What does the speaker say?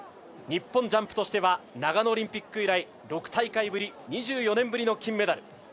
日本男子としては長野オリンピック以来６大会ぶり２４年ぶりの金メダル。